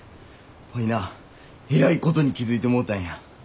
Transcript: ワイなえらいことに気付いてもうたんや。